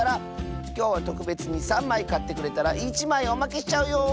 きょうはとくべつに３まいかってくれたら１まいおまけしちゃうよ！